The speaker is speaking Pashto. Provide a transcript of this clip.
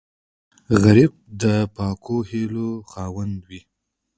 غریب د پاکو هیلو خاوند وي